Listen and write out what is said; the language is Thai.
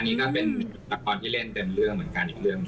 อันนี้ก็เป็นตอนที่เล่นเต็มเรื่องเหมือนกันหรือเรื่องนี้